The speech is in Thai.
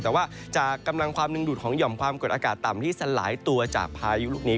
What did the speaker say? แต่ว่าจากกำลังความดึงดูดของหย่อมความกดอากาศต่ำที่สลายตัวจากพายุลูกนี้